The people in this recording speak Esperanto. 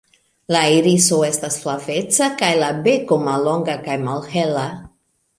La iriso estas flaveca kaj la beko mallonga kaj malhela.